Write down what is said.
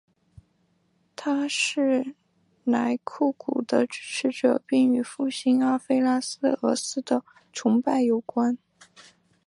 他是莱库古的支持者并与复兴安菲阿拉俄斯的崇拜有关。